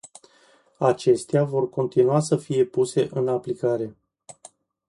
Acestea vor continua să fie puse în aplicare.